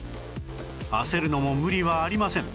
焦るのも無理はありません